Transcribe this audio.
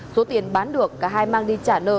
số tiền bán được cả hai mang đi trả nợ